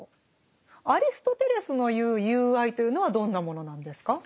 アリストテレスの言う「友愛」というのはどんなものなんですか？